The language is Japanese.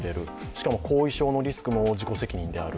しかも、後遺症のリスクも自己責任である。